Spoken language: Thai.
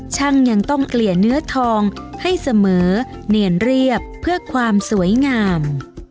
ช่างยังต้องเกลี่ยเนื้อทองให้เสมอเนียนเรียบเพื่อความสวยงาม